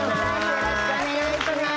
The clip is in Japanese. よろしくお願いします